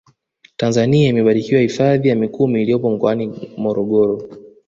tanzania imebarikiwa hifadhi ya mikumi iliyopo mkoani morogoro